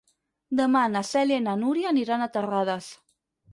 Demà na Cèlia i na Núria aniran a Terrades.